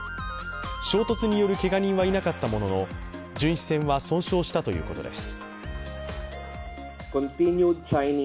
衝突によるけが人はいなかったものの、巡視船は損傷したということです。